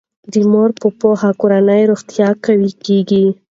د مور په پوهه کورنی روغتیا قوي کیږي.